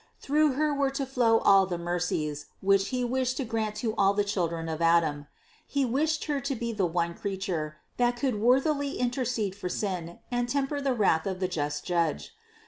Through Her were to flow all the mercies which He wished to grant to all the children of Adam. He wished Her to be the one Creature, that could worthily intercede for sin and temper the wrath of the just Judge.